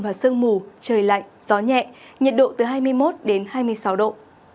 và sương mù trời lạnh gió nhẹ nhiệt độ từ hai mươi một đến hai mươi sáu độ